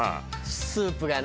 スープがね。